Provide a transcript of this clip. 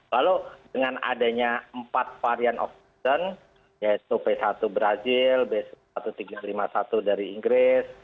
lalu dengan adanya empat varian of covid sembilan belas yaitu b satu brazil b seribu tiga ratus lima puluh satu dari inggris